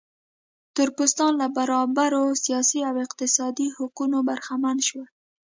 تور پوستان له برابرو سیاسي او اقتصادي حقونو برخمن شول.